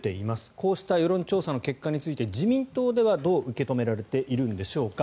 こうした世論調査の結果について自民党ではどう受け止められているんでしょうか。